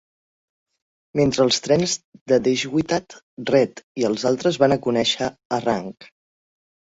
Mentre els trens de Deshwitat, Rett i els altres van a conèixer a rang.